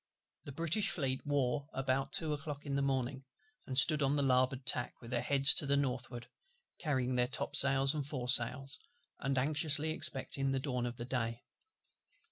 The British Fleet wore about two o'clock in the morning; and stood on the larboard tack with their heads to the northward, carrying their topsails and foresails, and anxiously expecting the dawn of day.